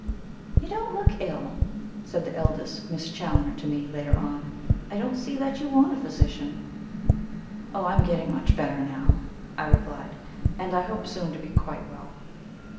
"You don't look ill," said the eldest Miss Challoner to me, later on. "I don't see that you want a physician." "Oh, I am getting much better now," I replied; "and I hope soon to be quite well."